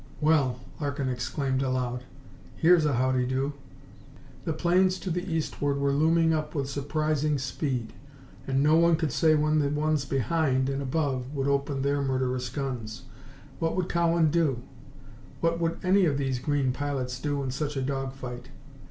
"Well!" Larkin exclaimed aloud. "Here's a howdy do!" The planes to the eastward were looming up with surprising speed, and no one could say when the ones behind and above would open up their murderous guns. What would Cowan do? What would any of these green pilots do in such a dog fight?